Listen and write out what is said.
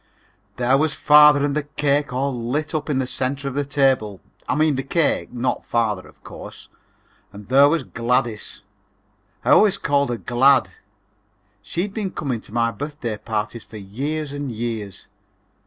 There was father and the cake all lit up in the center of the table; I mean the cake, not father, of course. And there was Gladys (I always called her "Glad"). She'd been coming to my birthday parties for years and years.